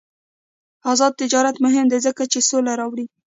آزاد تجارت مهم دی ځکه چې سوله راولي.